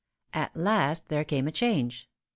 At last there came a change.